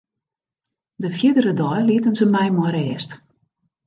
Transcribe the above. De fierdere dei lieten se my mei rêst.